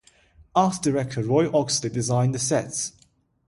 Art director Roy Oxley designed the sets.